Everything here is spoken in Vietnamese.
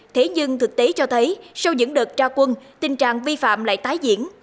thế nhưng thực tế cho thấy sau những đợt ra quân tình trạng vi phạm lại tái diễn